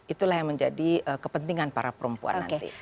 itulah yang menjadi kepentingan para perempuan nanti